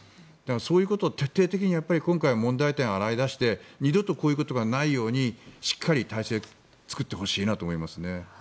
そういうことを徹底的に今回の問題点を洗い出して二度とこういうことがないようにしっかり体制を作ってほしいと思います。